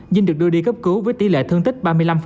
dinh được đưa đi cấp cứu với tỷ lệ thương tích ba mươi năm